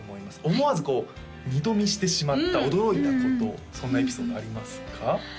思わずこう二度見してしまった驚いたことそんなエピソードありますか？